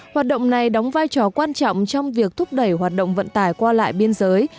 hoạt động này đóng vai trò quan trọng trong việc thúc đẩy hoạt động vận tải qua lại biên giới